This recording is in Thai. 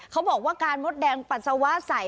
เขาบอกว่าการมดแดงปัสสาวะใส่